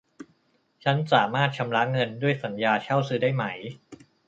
ฉันสามารถชำระเงินด้วยสัญญาเช่าซื้อได้ไหม